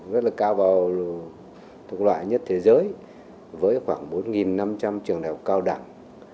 rất là cao bào thuộc loại nhất thế giới với khoảng bốn năm trăm linh trường đại học cao đẳng